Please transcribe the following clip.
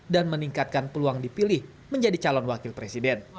dan meningkatkan peluang dipilih menjadi calon wakil presiden